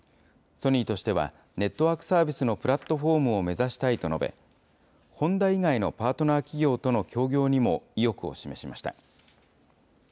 ソニーとしては、ネットワークサービスのプラットフォームを目指したいと述べ、ホンダ以外のパートナー企業との協業にも意欲を示しました。